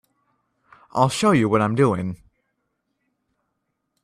I'll show you what I'm doing.